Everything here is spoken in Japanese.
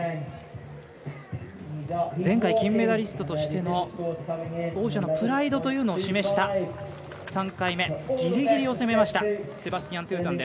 前回、金メダリストとしての王者のプライドというのを示した３回目ギリギリを攻めました。